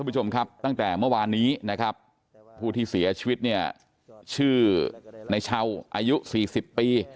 ผู้ชมครับตั้งแต่เมื่อวานนี้นะครับผู้ที่เสียชีวิตเนี่ยชื่อในเช้าอายุ๔๐ปี